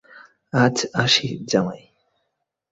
আজ আসি জামাই।